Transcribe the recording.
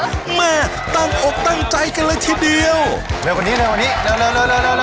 โชคความแม่นแทนนุ่มในศึกที่๒กันแล้วล่ะครับ